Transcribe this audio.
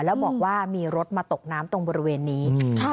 แล้วบอกว่ามีรถมาตกน้ำตรงบริเวณนี้